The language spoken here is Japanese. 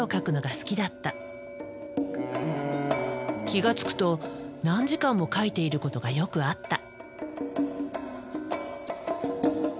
気が付くと何時間も描いていることがよくあった。